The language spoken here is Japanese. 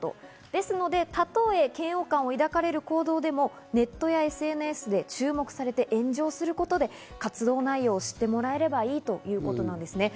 ですので、たとえ嫌悪感を抱かれる行動でも、ネットやＳＮＳで注目されて、炎上することで活動内容を知ってもらえればいいということなんですね。